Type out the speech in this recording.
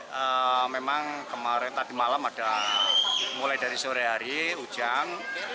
ya memang kemarin tadi malam ada mulai dari sore hari hujan